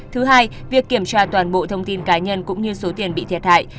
thứ hai việc kiểm tra toàn bộ thông tin cá nhân cũng như số tiền bị thiệt hại